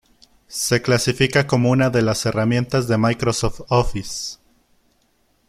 Se clasifica como una de las Herramientas de Microsoft Office.